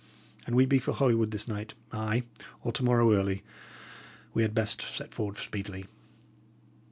An we be for Holywood this night, ay, or to morrow early, we had best set forward speedily."